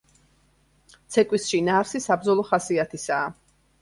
ცეკვის შინაარსი საბრძოლო ხასიათისაა.